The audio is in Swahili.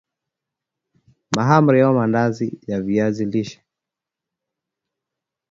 mahamri au Maandazi ya viazi lishe